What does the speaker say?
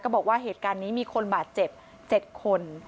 บอกว่าเหตุการณ์นี้มีคนบาดเจ็บ๗คน